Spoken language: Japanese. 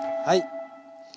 はい。